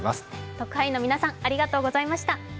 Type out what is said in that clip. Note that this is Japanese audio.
特派員の皆さんありがとうございました。